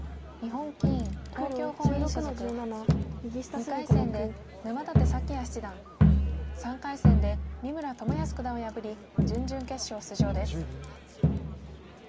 ２回戦で沼舘沙輝哉七段３回戦で三村智保九段を破り準々決勝出場です。